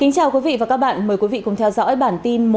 cảm ơn các bạn đã theo dõi